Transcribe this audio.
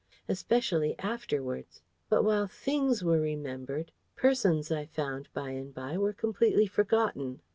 Especially afterwards. But while things were remembered, persons, I found by and by, were completely forgotten.